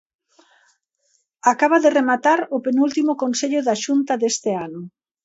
Acaba de rematar o penúltimo Consello da Xunta deste ano.